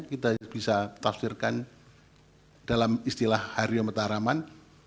kita bisa tafsirkan dalam istilah hario metaraman